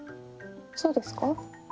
そうですか？